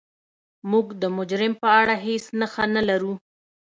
موږ د مجرم په اړه هیڅ نښه نلرو.